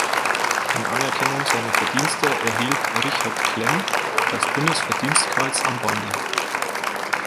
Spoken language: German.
In Anerkennung seiner Verdienste erhielt Richard Klemm das Bundesverdienstkreuz am Bande.